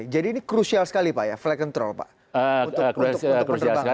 jadi ini krusial sekali flag control pak